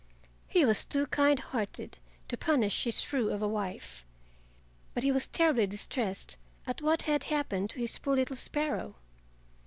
He was too kind hearted to punish his be shrew of a wife, but he was terribly distressed at what had happened to his poor little sparrow.